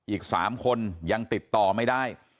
อีก๓คนยังติดต่อไม่ได้